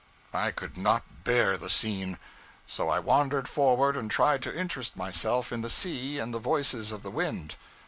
I could not bear the scene, so I wandered forward and tried to interest myself in the sea and the voices of the wind.